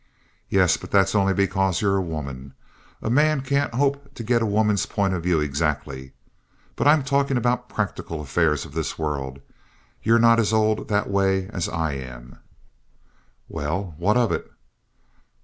"Yes, but that's only because you're a woman. A man can't hope to get a woman's point of view exactly. But I'm talking about practical affairs of this world. You're not as old that way as I am." "Well, what of it?"